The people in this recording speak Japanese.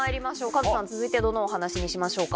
カズさん続いてどのお話にしましょうか？